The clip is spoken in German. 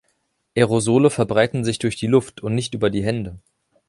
Aerosole verbreiten sich durch die Luft und nicht über die Hände.